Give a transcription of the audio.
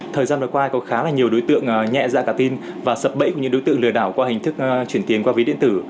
thời gian vừa qua có khá là nhiều đối tượng nhẹ dạ cả tin và sập bẫy của những đối tượng lừa đảo qua hình thức chuyển tiền qua ví điện tử